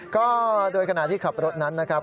ก็โดยขณะที่ขับรถนั้นนะครับ